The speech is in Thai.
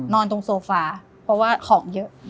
นอนตรงโซฟาเพราะว่าของเยอะ